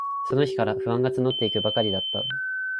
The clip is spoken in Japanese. その日から、不安がつのっていくばかりだった。